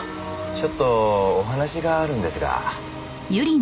ちょっとお話があるんですが。